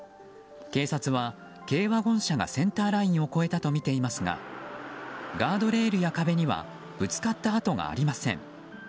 警察は軽ワゴン車がセンターラインを越えたとみていますがガードレールや壁にはぶつかった跡がありません。